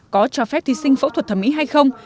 có cho phép thí sinh phẫu thuật thẩm mỹ hay không